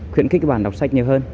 khuyến khích các bạn đọc sách nhiều hơn